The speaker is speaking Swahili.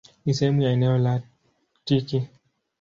Ni sehemu ya eneo la Aktiki.